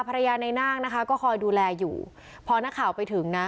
ภรรยาในนาคนะคะก็คอยดูแลอยู่พอนักข่าวไปถึงนะ